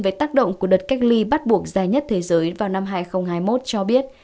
về tác động của đợt cách ly bắt buộc dài nhất thế giới vào năm hai nghìn hai mươi một cho biết